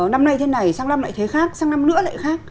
năm nay thế này sang năm lại thế khác sang năm nữa lại khác